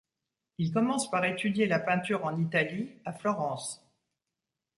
Il commence par étudier la peinture en Italie, à Florence.